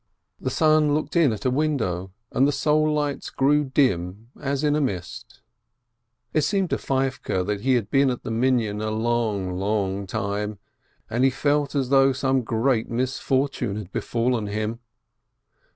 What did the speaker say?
The sun looked in at a window, and the soul lights grew dim as in a mist. It seemed to Feivke he had been at the Minyan a long, long time, and he felt as though some great mis fortune had befallen him.